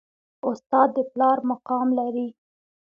استاد د پلار مقام لري